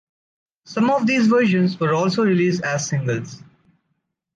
Some of these versions were also released as singles.